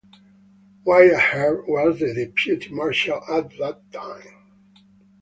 Wyatt Earp was the deputy marshal at the time.